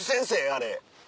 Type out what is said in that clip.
あれ。